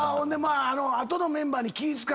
あとのメンバーに気ぃ使うしな。